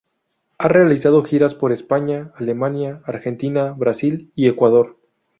Ha realizado giras por España, Alemania, Argentina, Brasil y Ecuador.